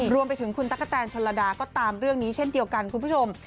รวมไปถึงคุณตั๊กกะแตนชนระดาก็ตามเรื่องนี้เช่นเดียวกันคุณผู้ชม